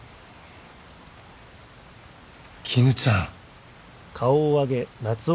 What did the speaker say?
絹ちゃん。